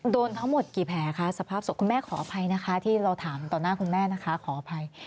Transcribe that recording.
โดนทั้งหมดกี่แผลคะสภาพศพคุณแม่ขออภัยนะคะที่เราถามต่อหน้าคุณแม่นะคะขออภัย